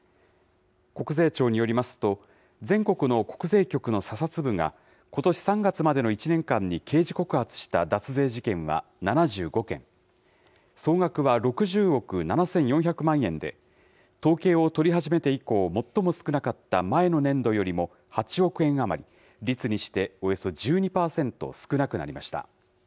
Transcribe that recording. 国税庁によりますと、全国の国税局の査察部が、ことし３月までの１年間に刑事告発した脱税事件は７５件、総額は６０億７４００万円で、統計を取り始めて以降最も少なかった前の年度よりも８億円余り、率にしておよそ１２％少なくなりました。